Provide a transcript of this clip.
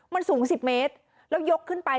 มันสูง๑๐เมตรแล้วยกขึ้นไป